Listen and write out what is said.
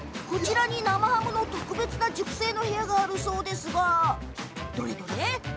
こちらに生ハムの特別な熟成の部屋があるそうですが。